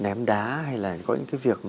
ném đá hay là có những cái việc